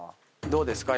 どうですか？